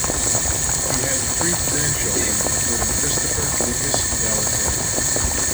He had three grandchildren including Christopher, Lukas, and Alexander.